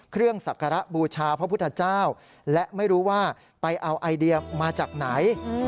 ศักระบูชาพระพุทธเจ้าและไม่รู้ว่าไปเอาไอเดียมาจากไหน